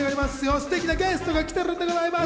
すてきなゲストが来ているんでございます。